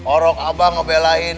orang abah ngebelain